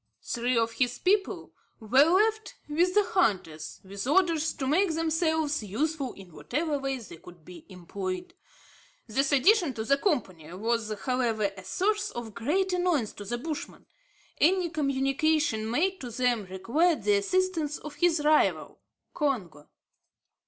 Three of his people were left with the hunters, with orders to make themselves useful in whatever way they could be employed. This addition to the company was, however, a source of great annoyance to the Bushman. Any communication made to them required the assistance of his rival, Congo.